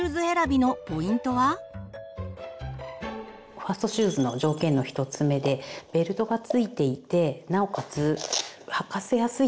ファーストシューズの条件の１つ目でベルトがついていてなおかつ履かせやすいこと。